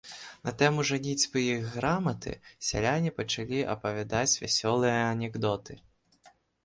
На тэму жаніцьбы і граматы сяляне пачалі апавядаць вясёлыя анекдоты.